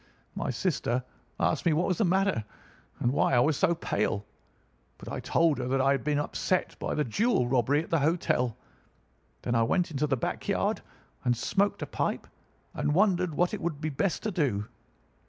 My sister asked me what was the matter, and why I was so pale; but I told her that I had been upset by the jewel robbery at the hotel. Then I went into the back yard and smoked a pipe and wondered what it would be best to do.